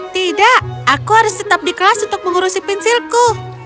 tidak aku harus tetap di kelas untuk mengurusi pensilku